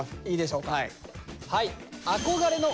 いいでしょうか。